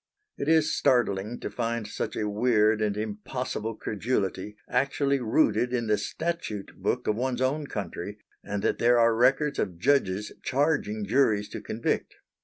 It is startling to find such a weird and impossible credulity actually rooted in the Statute book of one's own country, and that there are records of judges charging juries to convict.